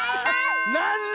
なんだ？